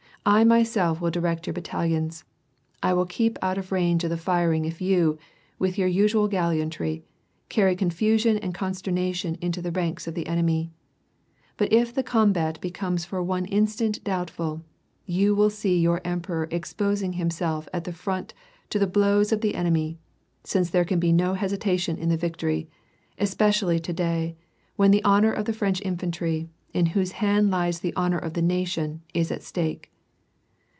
I myself will direct your battalions. I will keep out of range « the firing if you, with your usual gallantry, carry confusion and con '^^RtttioQ into the ranks of the enemy ; but if the combat becomes for ooe instant doubtful, you will see your emperor exposing himself at the w»t to the blows of the enemy, since there can be no hesitation in the Jictory, especially to day when the honor of the French infantry, in whose 2|[Qds lies the honor of the nation, is at stake.